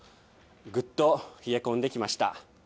ぐっと冷え込んできました。